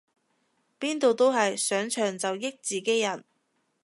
邊度都係上場就益自己人